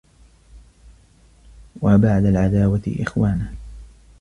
وَبَعْدَ الْعَدَاوَةِ إخْوَانًا